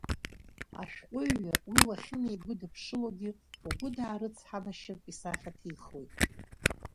Ашәҟәыҩҩы уи уахьынеигәыдыԥшылогьы угәы даарыцҳанашьартә исахьа ҭихуеит…